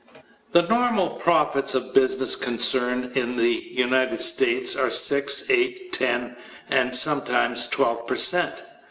The normal profits of a business concern in the United States are six, eight, ten, and sometimes twelve percent.